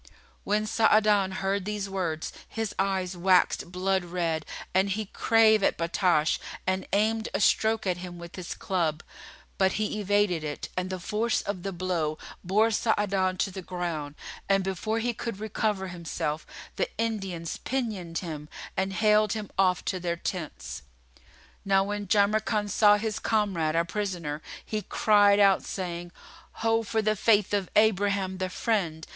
When Sa'adan heard these words, his eyes waxed blood red and he drave at Battash and aimed a stroke at him with his club; but he evaded it and the force of the blow bore Sa'adan to the ground; and before he could recover himself, the Indians pinioned him and haled him off to their tents. Now when Jamrkan saw his comrade a prisoner, he cried out, saying, "Ho for the Faith of Abraham the Friend!"